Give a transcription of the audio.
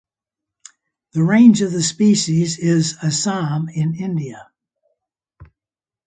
The range of the species is Assam in India.